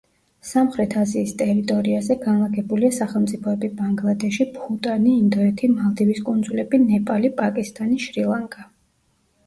სამხრეთ აზიის ტერიტორიაზე განლაგებულია სახელმწიფოები: ბანგლადეში, ბჰუტანი, ინდოეთი, მალდივის კუნძულები, ნეპალი, პაკისტანი, შრი-ლანკა.